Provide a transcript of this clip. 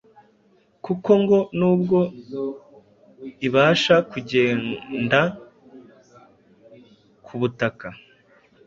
kuko ngo n’ubwo ibasha kugenda ku butaka,